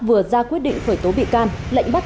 vừa ra quyết định khởi tố bị can lệnh bắt